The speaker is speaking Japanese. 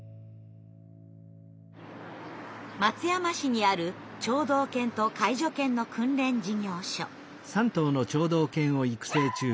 松山市にある聴導犬と介助犬の訓練事業所。